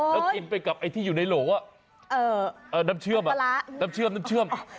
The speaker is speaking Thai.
ต้องกินกับในน้ำเชื่อม